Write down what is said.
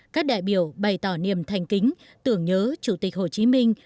các đại biểu bày tỏ niềm thành kính tưởng nhớ chủ tịch hồ chí minh